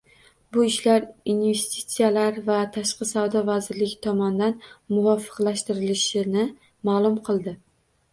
Bu ishlar Inverstitsiyalar va tashqi savdo vazirligi tomonidan muvofiqlashtirilishini ma'lum qildi.